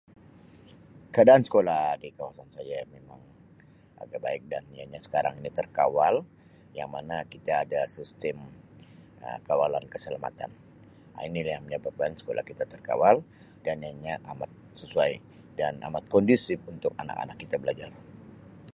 Keadaan sekolah di kawasan saya memang ada baik dan ianya sekarang ini terkawal yang mana kita ada sistem Um kawalan keselamatan Um ini lah yang menyebabkan sekolah kita terkawal dan ianya amat sesuai dan amat kondusif untuk anak-anak kita belajar.